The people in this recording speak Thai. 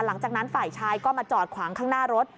หลังจากนั้นฝ่ายชายก็มาจอดขวางข้างหน้ารถ